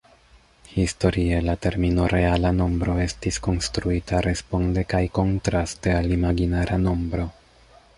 Historie la termino "reala nombro" estis konstruita responde kaj kontraste al imaginara nombro.